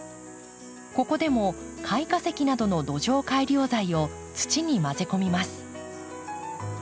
ここでも貝化石などの土壌改良材を土に混ぜ込みます。